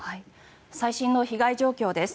最新の被害状況です。